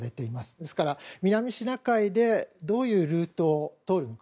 ですから南シナ海でどういうルートを通るのか。